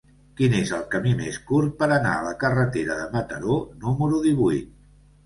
Quin és el camí més curt per anar a la carretera de Mataró número divuit?